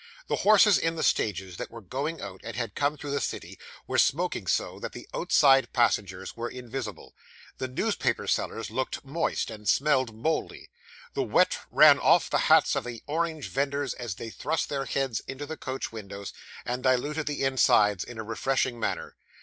The horses in the stages that were going out, and had come through the city, were smoking so, that the outside passengers were invisible. The newspaper sellers looked moist, and smelled mouldy; the wet ran off the hats of the orange vendors as they thrust their heads into the coach windows, and diluted the insides in a refreshing manner.